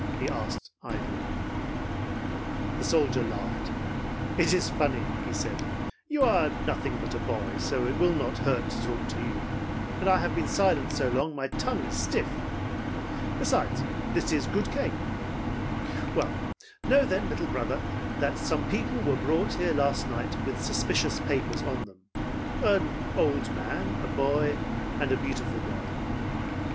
he asked, idly. The soldier laughed. "It is funny," he said. "You are nothing but a boy, so it will not hurt to talk to you, and I have been silent so long that my tongue's stiff. Besides, this is good cake. Well, know then, little brother, that some people were brought here last night with suspicious papers on them. An old man, a boy and a beautiful girl.